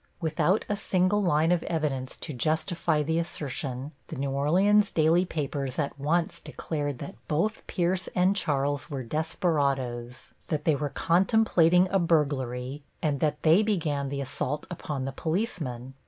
Without a single line of evidence to justify the assertion, the New Orleans daily papers at once declared that both Pierce and Charles were desperadoes, that they were contemplating a burglary and that they began the assault upon the policemen.